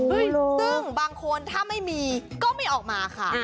ไม่รู้ซึ่งบางคนถ้าไม่มีก็ไม่ออกมาค่ะ